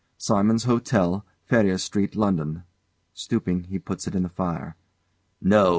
"Simon's Hotel, Farrier Street, London." [Stooping, he puts it in the fire] No!